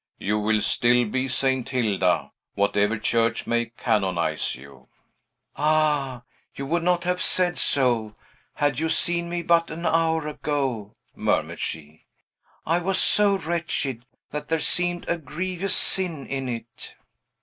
"You will still be Saint Hilda, whatever church may canonize you." "Ah! you would not have said so, had you seen me but an hour ago!" murmured she. "I was so wretched, that there seemed a grievous sin in it."